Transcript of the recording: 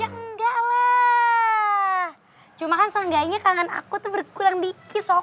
ya enggak lah cuma kan selenggaknya kangen aku tuh berkurang dikit soko